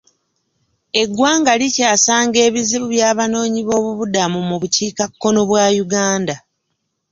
Eggwanga likyasanga ebizibu by'abanoonyiboobubudamu mu bukiikakkono bwa Uganda.